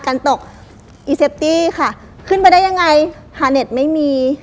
การตกอีเซฟตี้ค่ะขึ้นไปได้ยังไงฮาเน็ตไม่มี